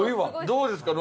どうですか？